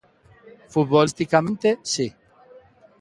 Futbolisticamente, si.